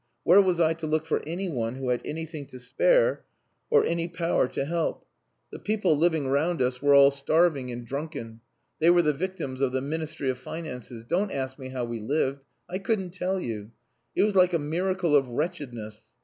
Where was I to look for anyone who had anything to spare or any power to help? The people living round us were all starving and drunken. They were the victims of the Ministry of Finances. Don't ask me how we lived. I couldn't tell you. It was like a miracle of wretchedness.